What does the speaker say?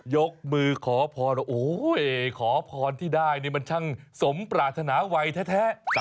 ยกมือขอพรโอ้โหขอพรที่ได้นี่มันช่างสมปรารถนาวัยแท้